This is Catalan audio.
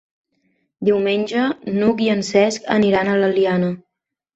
Diumenge n'Hug i en Cesc aniran a l'Eliana.